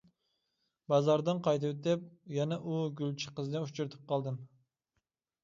بازاردىن قايتىۋېتىپ يەنە ئۇ گۈلچى قىزنى ئۇچرىتىپ قالدىم.